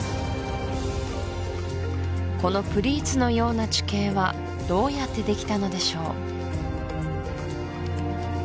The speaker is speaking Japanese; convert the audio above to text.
このプリーツのような地形はどうやってできたのでしょう？